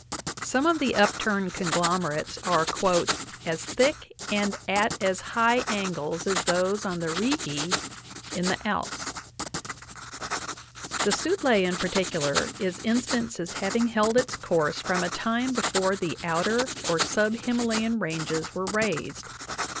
Some of the upturned conglomerates are "as thick and at as high angles as those on the Righi" in the Alps (46). The Sutlej in particular is instanced as having held its course from a time before the outer or subhimalayan ranges were raised.